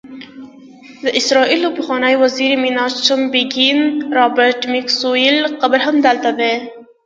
د اسرائیلو د پخواني وزیر میناچم بیګین، رابرټ میکسویل قبر هم دلته دی.